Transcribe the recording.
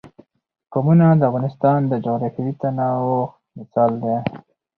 قومونه د افغانستان د جغرافیوي تنوع مثال دی.